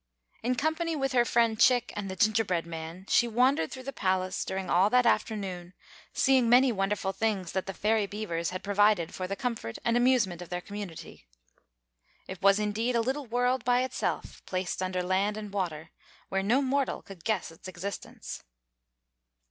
In company with her friend Chick and the gingerbread man, she wandered through the palace during all that afternoon, seeing many wonderful things that the Fairy Beavers had provided for the comfort and amusement of their community. It was, indeed, a little world by itself, placed under land and water, where no mortal could guess its existence.